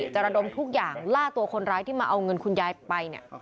ระดมทุกอย่างล่าตัวคนร้ายที่มาเอาเงินคุณยายไปเนี่ย